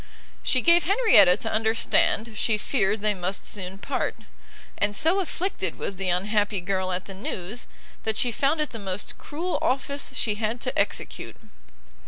She gave Henrietta to understand she feared they must soon part; and so afflicted was the unhappy girl at the news, that she found it the most cruel office she had to execute.